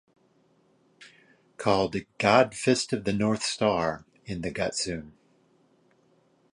Called "God Fist of the North Star" in the Gutsoon!